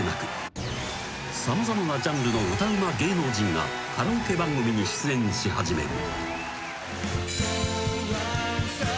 ［様々なジャンルの歌うま芸能人がカラオケ番組に出演し始める］